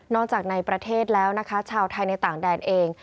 จากในประเทศแล้วนะคะชาวไทยในต่างแดนเอง